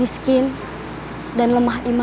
pengangguran new skin dan lemah iman